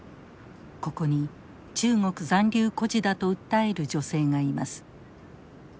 ここに中国残留孤児だと訴える女性がいます。